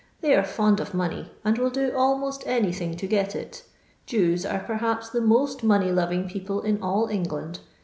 They are fond of money, and will do almost anything to get it. Jews are perhaps the most money loving people in all England.